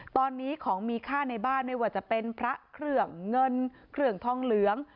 ตอนนี้ของมีค่าในบ้านไม่ว่าจะเป็นพระเครื่องเงินเครื่องทองเหลือง